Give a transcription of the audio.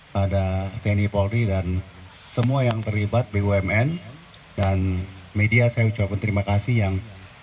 pada tni polri dan semua yang terlibat bumn dan media saya ucapkan terima kasih yang